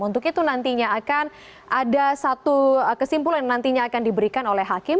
untuk itu nantinya akan ada satu kesimpulan nantinya akan diberikan oleh hakim